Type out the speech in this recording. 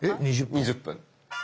２０分。